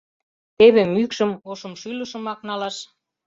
— Теве мӱкшым, ошымшӱлышымак налаш.